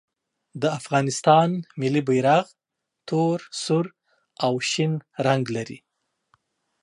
د افغانستان ملي بیرغ تور، سور او شین رنګ لري.